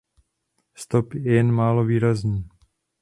Stop je jen málo výrazný.